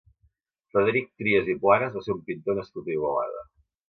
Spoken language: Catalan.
Frederic Trias i Planas va ser un pintor nascut a Igualada.